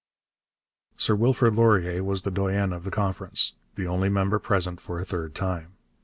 Sir Wilfrid Laurier was the doyen of the Conference, the only member present for a third time.